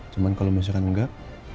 cuma kalau misalkan enggak